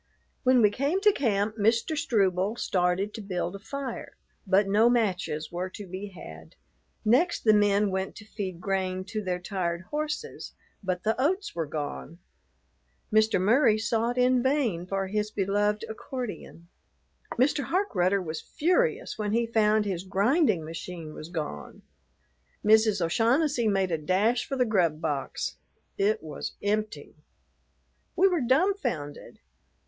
When we came to camp, Mr. Struble started to build a fire; but no matches were to be had. Next, the men went to feed grain to their tired horses, but the oats were gone. Mr. Murry sought in vain for his beloved accordion. Mr. Harkrudder was furious when he found his grinding machine was gone. Mrs. O'Shaughnessy made a dash for the grub box. It was empty. We were dumbfounded.